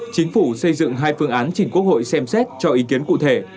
chính phủ xây dựng hai phương án chỉnh quốc hội xem xét cho ý kiến cụ thể